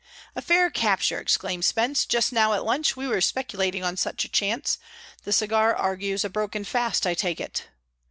"A fair capture!" exclaimed Spence. "Just now, at lunch, we were speculating on such a chance. The cigar argues a broken fast, I take it."